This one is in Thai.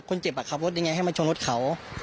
คนเจ็บบากขับรถได้ยังไงให้มาชนรถเขา